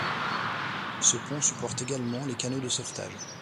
Ce pont supporte également les canots de sauvetage.